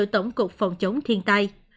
tổng cục phòng chống thiên tai